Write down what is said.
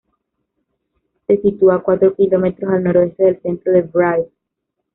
Se sitúa cuatro kilómetros al noroeste del centro de Brive.